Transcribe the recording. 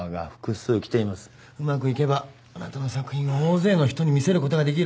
うまくいけばあなたの作品を大勢の人に見せることができる。